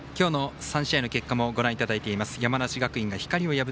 今日の３試合の結果もご覧いただいています。